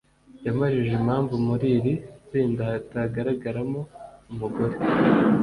yamubajije impamvu muri iri tsinda hatagaragaramo umugore